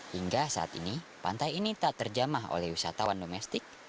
hingga saat ini pantai ini tak terjamah oleh wisatawan domestik